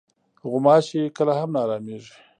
غوماشې کله هم نه ارامېږي.